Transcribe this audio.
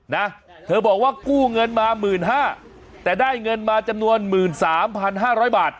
นะเธอบอกว่ากู้เงินมา๑๕๐๐๐บาทแต่ได้เงินมาจำนวน๑๓๕๐๐บาท